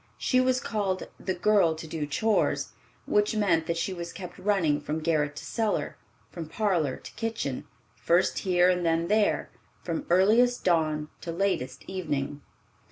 She was called "the girl to do chores," which meant that she was kept running from garret to cellar, from parlor to kitchen, first here and then there, from earliest dawn to latest evening.